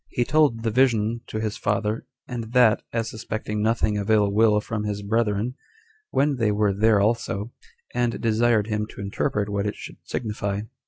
He told the vision to his father, and that, as suspecting nothing of ill will from his brethren, when they were there also, and desired him to interpret what it should signify.